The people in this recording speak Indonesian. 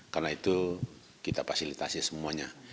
karena itu kita fasilitasi semuanya